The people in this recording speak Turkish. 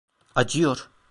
Acıyor.